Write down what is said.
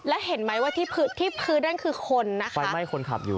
แล้วเห็นไหมว่าที่พื้นนั่นคือคนนะคะไฟไหม้คนขับอยู่